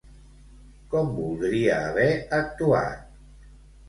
Com voldria haver actuat?